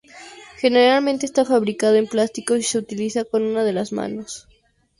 Generalmente está fabricado en plástico, y se utiliza con una de las manos.